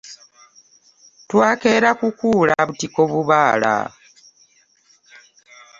Twakeera kukula butiko bubaala.